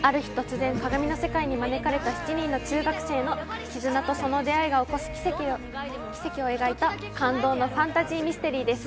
ある日、突然鏡の世界に招かれた７人の中学生のきずなと、その出会いが起こす奇跡を描いた感動のファンタジー・ミステリーです。